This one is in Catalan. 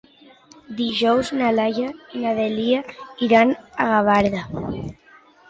Dijous na Laia i na Dèlia iran a Gavarda.